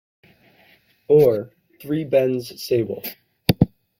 Or, three Bends Sable.